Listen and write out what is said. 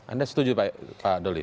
anda setuju pak doli